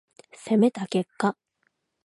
攻めた結果